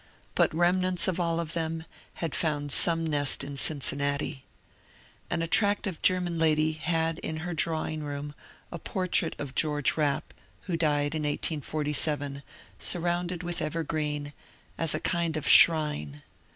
But remnants of all of them had found some nest in Cincinnati. An attractive Ger man lady had in her drawing room a portrait of George Rapp (who died in 1847) surrounded with evergreen, as a kind of shrine.